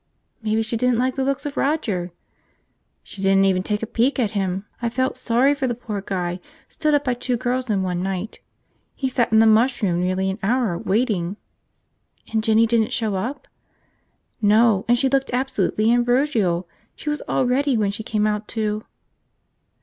"Maybe she didn't like the looks of Roger." "She didn't even take a peek at him. I felt sorry for the poor guy, stood up by two girls in one night. He sat in the mush room nearly an hour, waiting." "And Jinny didn't show up?" "No. And she looked absolutely ambrosial. She was all ready when she came out to .